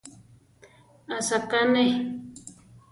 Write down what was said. Asaká neʼé.